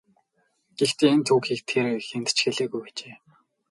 Гэхдээ энэ түүхийг тэр хэнд ч хэлээгүй ажээ.